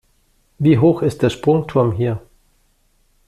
Wie hoch ist der Sprungturm hier?